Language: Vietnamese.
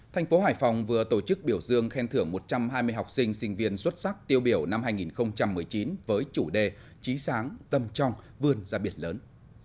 thành phố hải phòng vừa tổ chức biểu dương khen thưởng một trăm hai mươi học sinh sinh viên xuất sắc tiêu biểu năm hai nghìn một mươi chín với chủ đề chí sáng tâm trong vươn ra biệt lớn